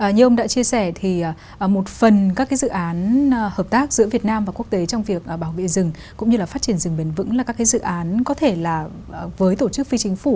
như ông đã chia sẻ thì một phần các dự án hợp tác giữa việt nam và quốc tế trong việc bảo vệ rừng cũng như là phát triển rừng bền vững là các dự án có thể là với tổ chức phi chính phủ